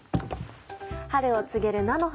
春を告げる菜の花。